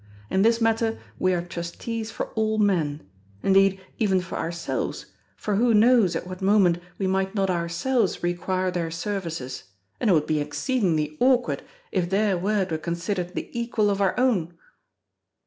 In this matter we are trustees for all men—indeed, even for ourselves, for who knows at what moment we might not ourselves require their services, and it would be exceedingly awkward if their word were considered the equal of our own!"